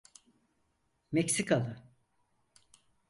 Meksikalı…